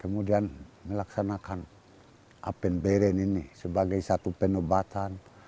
kemudian melaksanakan apen bayeren ini sebagai satu penobatan